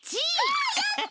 わあやった！